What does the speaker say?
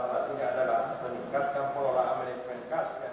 dan salah satunya adalah meningkatkan pola amelis menikas